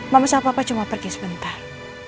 mama sama papa cuma pergi sebentar